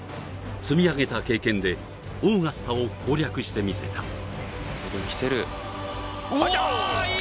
積み上げた経験でオーガスタを攻略してみせた。